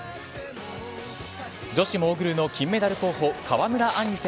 女子モーグルの金メダル候補川村あん